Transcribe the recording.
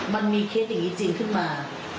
มันมีเคสอย่างนี้จริงขึ้นมา